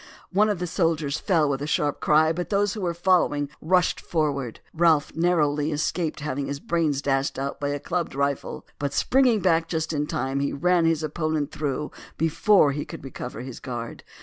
One of the soldiers fell with a sharp cry, but those who were following rushed forward. Ralph narrowly escaped having his brains dashed out by a clubbed rifle, but springing back just in time he ran his opponent through before he could recover his guard.